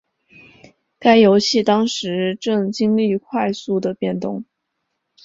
该游戏当时正经历快速的变动。